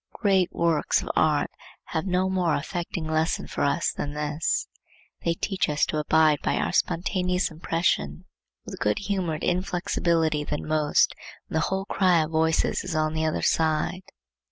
Great works of art have no more affecting lesson for us than this. They teach us to abide by our spontaneous impression with good humored inflexibility then most when the whole cry of voices is on the other side.